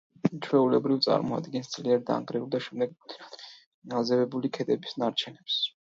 ჩვეულებრივ წარმოადგენს ძლიერ დანგრეული და შემდეგ რამდენადმე აზევებული ქედების ნარჩენებს.